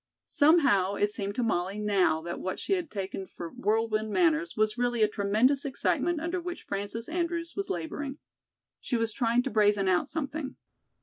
Somehow, it seemed to Molly now that what she had taken for whirlwind manners was really a tremendous excitement under which Frances Andrews was laboring. She was trying to brazen out something.